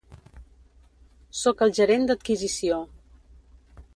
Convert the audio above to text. Sóc el gerent d'adquisició.